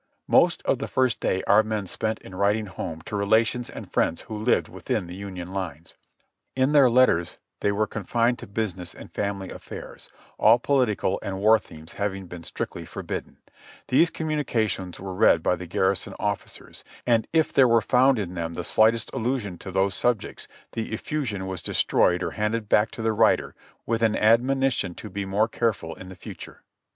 Most of the first day our men spent in writing home to relations and friends who lived within the Union lines. In their letters they were confined to business and family affairs, all political and war themes having been strictly forbidden. These communica tions were read by the garrison officers, and if there were found in them the slightest allusion to those subjects, the effusion was destroyed or handed back to the writer with an admonition to be more careful in the future.